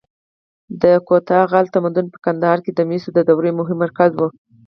د کوتاه غال تمدن په کندهار کې د مسو د دورې مهم مرکز و